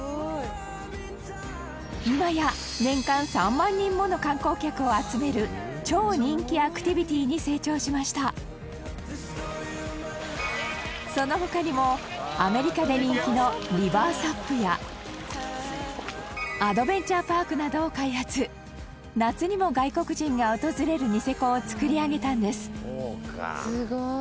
今や年間３万人もの観光客を集める超人気アクティビティに成長しましたその他にも、アメリカで人気のリバーサップやアドベンチャーパークなどを開発夏にも外国人が訪れるニセコを作り上げたんですすごい！